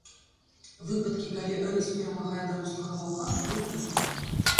Выпадкі, калі рысь перамагае дарослага ваўка, даволі рэдкія.